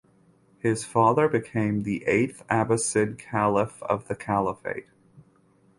His father became the eighth Abbasid caliph of the Caliphate.